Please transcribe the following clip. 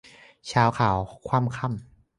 ชาวขาวคว่ำค่ำ